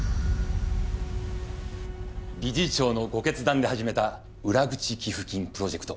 理事長のご決断で始めた裏口寄付金プロジェクト